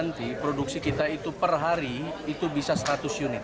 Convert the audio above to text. untuk minyak goreng ini kita membuatnya dengan harga yang lebih murah dari harga jual mesin impor